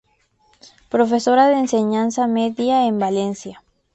Profesora de Enseñanza Media en Valencia.